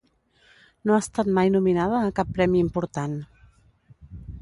No ha estat mai nominada a cap premi important.